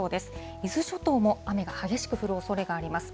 伊豆諸島も雨が激しく降るおそれがあります。